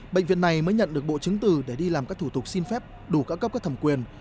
bệnh viện này mới nhận được bộ chứng từ để đi làm các thủ tục xin phép đủ các cấp các thẩm quyền